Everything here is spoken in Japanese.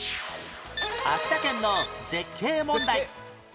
秋田県の絶景問題